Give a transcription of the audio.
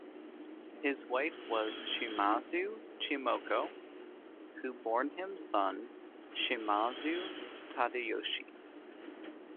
His wife was Shimazu Chimoko who born him son Shimazu Tadayoshi.